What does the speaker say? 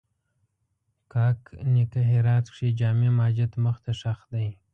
کاک نیکه هرات کښې جامع ماجت مخ ته ښخ دی